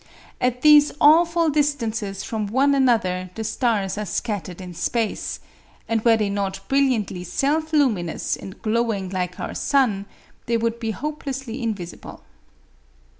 At these awful distances from one another the stars are scattered in space, and were they not brilliantly self luminous and glowing like our sun, they would be hopelessly invisible.